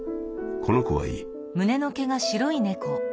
この子はいい」。